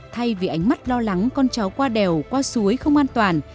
thay vì ánh mắt lo lắng con cháu qua đèo qua suối không an toàn